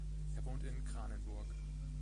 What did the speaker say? Er wohnt in Kranenburg.